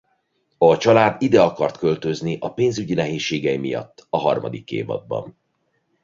A család ide akart költözni a pénzügyi nehézségei miatt a harmadik évadban.